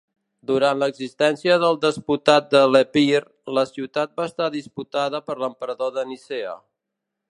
Durant l'existència del Despotat de l'Epir, la ciutat va estar disputada per l'emperador de Nicea.